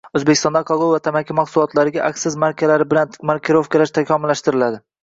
O‘zbekistonda alkogol va tamaki mahsulotlarini aksiz markalari bilan markirovkalash takomillashtiriladi